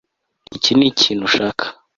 Iki nikintu ushaka